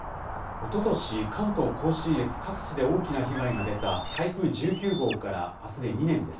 おととし、関東甲信越各地で大きな被害が出た台風１９号からあすで２年です。